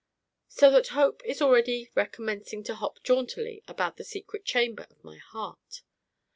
So that Hope is already recommencing to hop jauntily about the secret chamber of my heart.